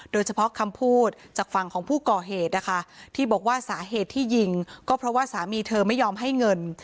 เฉพาะคำพูดจากฝั่งของผู้ก่อเหตุนะคะที่บอกว่าสาเหตุที่ยิงก็เพราะว่าสามีเธอไม่ยอมให้เงิน